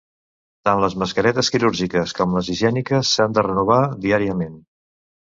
Tant les mascaretes quirúrgiques com les higièniques s'han de renovar diàriament.